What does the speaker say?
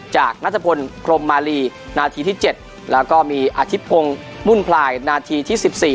จากนัทพลโครมมาลีนาทีที่เจ็ดแล้วก็มีอาทิพงศ์มุ่นพลายนาทีที่สิบสี่